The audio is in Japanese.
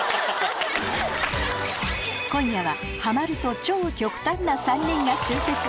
今夜はハマると超極端な３人が集結